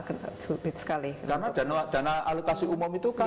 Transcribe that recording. karena dana alokasi umum itu kan